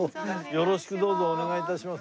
よろしくどうぞお願い致します。